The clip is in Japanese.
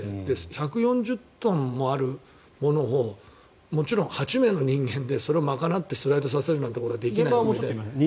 １４０トンもあるものをもちろん８名の人間でそれを賄ってスライドさせるなんてことはできないですよね。